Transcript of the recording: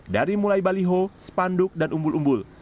dari mulai baliho spanduk dan umbul umbul